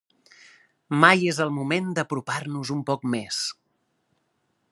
Mai és el moment d’apropar-nos un poc més!